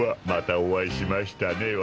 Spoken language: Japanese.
またお会いしましたね。